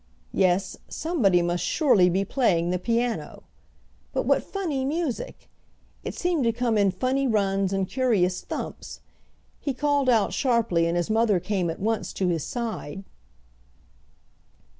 Yes, somebody must surely be playing the piano. But what funny music! It seemed to come in funny runs and curious thumps. He called out sharply, and his mother came at once to his side.